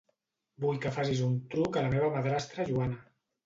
Vull que facis un truc a la meva madrastra Joana.